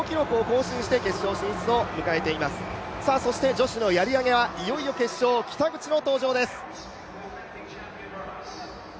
女子のやり投げはいよいよ決勝、北口の登場です。